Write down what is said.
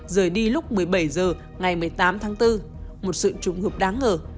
rời đi lúc một mươi bảy h ngày một mươi tám tháng bốn một sự trùng hợp đáng ngờ